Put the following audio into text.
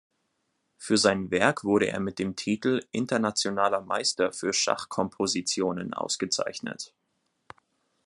Für sein Werk wurde er mit dem Titel "Internationaler Meister für Schachkompositionen" ausgezeichnet.